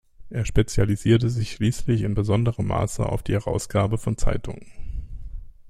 Er spezialisierte sich schließlich in besonderem Maße auf die Herausgabe von Zeitungen.